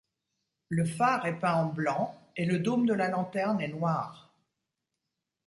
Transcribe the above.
Le phare est peint en blanc et le dôme de la lanterne est noir.